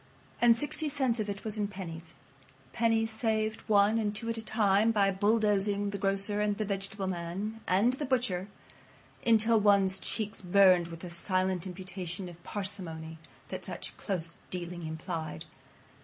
And sixty cents of it was in pennies. Pennies saved one and two at a time by bulldozing the grocer and the vegetable man and the butcher until one's cheeks burned with the silent imputation of parsimony that such close dealing implied.